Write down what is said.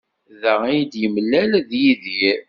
Da ay d-yemlal ed Yidir.